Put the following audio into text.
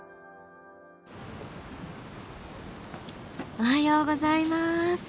おはようございます。